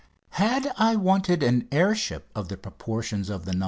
Had I wanted an air ship of the proportions of the "No.